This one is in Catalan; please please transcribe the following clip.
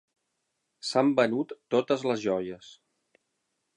S'han venut totes les joies.